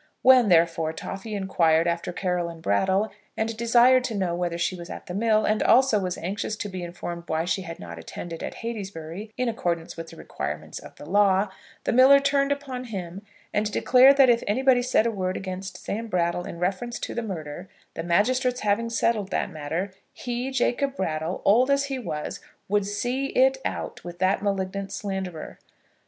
When, therefore, Toffy inquired after Caroline Brattle, and desired to know whether she was at the mill, and also was anxious to be informed why she had not attended at Heytesbury in accordance with the requirements of the law, the miller turned upon him and declared that if anybody said a word against Sam Brattle in reference to the murder, the magistrates having settled that matter, he, Jacob Brattle, old as he was, would "see it out" with that malignant slanderer.